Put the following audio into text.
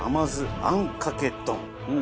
あんかけ丼。